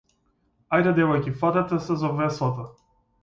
Ајде девојки фатете се за веслата.